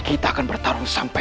meja celang cheers besar disebuah